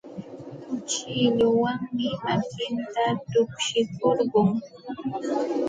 Kuchilluwanmi makinta tukshikurqun.